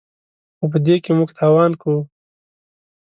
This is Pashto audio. خو په دې کې موږ تاوان کوو.